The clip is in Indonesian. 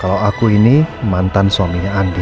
kalau aku ini mantan suaminya andi